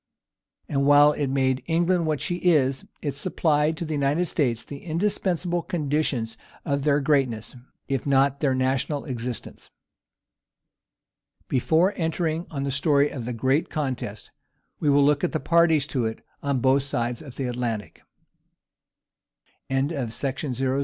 And while it made England what she is, it supplied to the United States the indispensable condition of their greatness, if not of their national existence. Before entering on the story of the great contest, we will look at the parties to it on both sides of the Atlantic. Montcalm and Wolfe. CHAPTER I. 1745 1755.